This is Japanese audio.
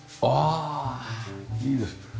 ああいいです。